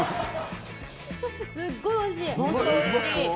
すっごいおいしい！